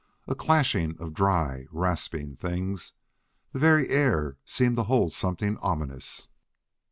a clashing of dry, rasping things! The very air seemed to hold something ominous.